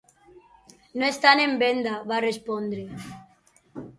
"No estan en venda", va respondre.